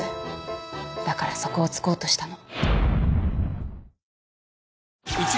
だからそこを突こうとしたの。